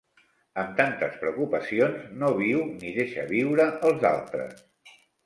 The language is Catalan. Amb tantes preocupacions, no viu ni deixa viure els altres.